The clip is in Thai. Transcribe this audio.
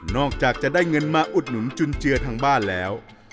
จากจะได้เงินมาอุดหนุนจุนเจือทางบ้านแล้ว